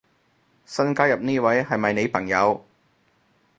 新加入呢位係咪你朋友